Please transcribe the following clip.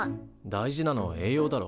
大事なのは栄養だろ。